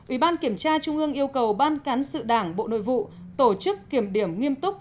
ủy ban kiểm tra trung ương yêu cầu ban cán sự đảng bộ nội vụ tổ chức kiểm điểm nghiêm túc